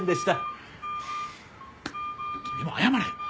君も謝れ！